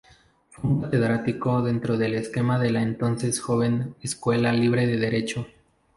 Fue un catedrático dentro del esquema de la entonces joven Escuela Libre de Derecho.